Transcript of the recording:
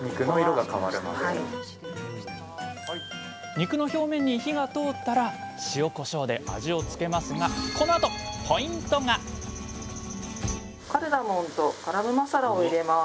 肉の表面に火が通ったら塩こしょうで味をつけますがこのあとカルダモンとガラムマサラを入れます。